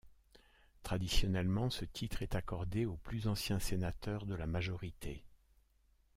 Traditionnellement, ce titre est accordé au plus ancien sénateur de la majorité.